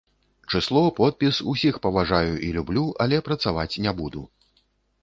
Чысло, подпіс, усіх паважаю і люблю, але працаваць не буду.